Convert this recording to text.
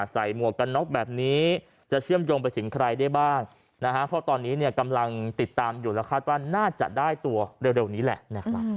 หมวกกันน็อกแบบนี้จะเชื่อมโยงไปถึงใครได้บ้างนะฮะเพราะตอนนี้เนี่ยกำลังติดตามอยู่แล้วคาดว่าน่าจะได้ตัวเร็วนี้แหละนะครับ